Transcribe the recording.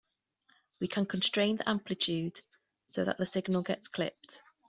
We can constrain the amplitude so that the signal gets clipped.